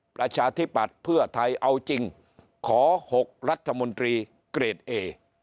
ประชาธิปัตย์เพื่อไทยเอาจริงขอ๖รัฐมนตรีเกรดเอ